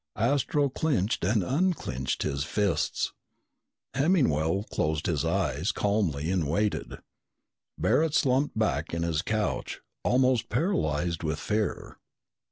Astro clenched and unclenched his fists. Hemmingwell closed his eyes calmly and waited. Barret slumped back in his couch, almost paralyzed with fear.